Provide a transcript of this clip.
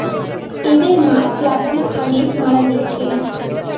এদের মা প্লাবনের আগেই মারা গিয়েছিল।